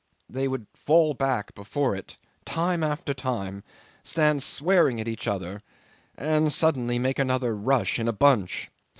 "They would fall back before it time after time, stand swearing at each other, and suddenly make another rush in a bunch.